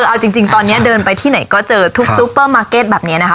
คือเอาจริงตอนนี้เดินไปที่ไหนก็เจอทุกซูเปอร์มาร์เก็ตแบบนี้นะคะ